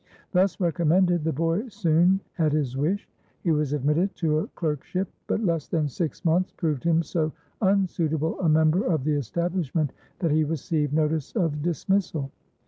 Thus recommended, the boy soon had his wish; he was admitted to a clerkship. But less than six months proved him so unsuitable a member of the establishment that he received notice of dismissal.